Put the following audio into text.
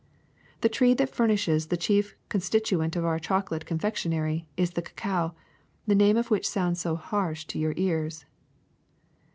The tree that furnishes the chief constituent of our chocolate confectionery is the cacao, the name of which sounds so harsh to your ears.